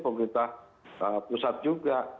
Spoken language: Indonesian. pemerintah pusat juga